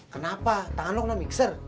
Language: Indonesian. kenapa tangan lo kena mixer